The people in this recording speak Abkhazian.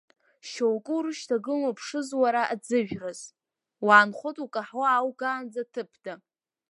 Шьоукы урышьҭагылан уԥшыз уара аӡыжәраз, уаанхоит укаҳуа ааугаанӡа ҭыԥда.